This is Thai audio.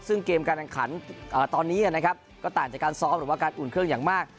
ซึ่งเกมการแข่งขันตอนนี้นะครับก็ต่างจากการซ้อมหรือว่าการอุ่นเครื่องอย่างมาก